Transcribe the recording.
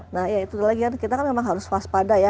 nah itu lagi kan kita memang harus waspada ya